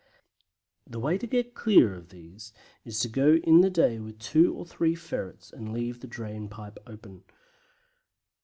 The way to get clear of these is to go in the day with two or three ferrets and leave the drain pipe open.